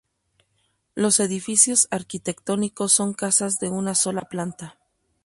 Los edificios arquitectónicos son casas de una sola planta.